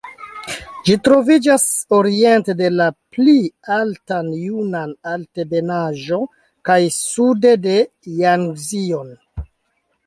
Ĝi troviĝas oriente de la pli alta Junan-Altebenaĵo kaj sude de Jangzio.